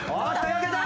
よけた。